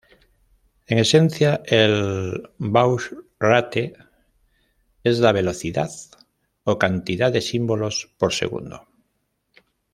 En esencia el "baud-rate" es la velocidad o cantidad de símbolos por segundo.